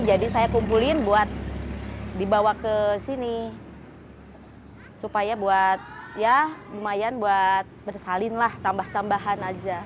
jadi saya kumpulin buat dibawa ke sini supaya buat ya lumayan buat bersalin lah tambah tambahan aja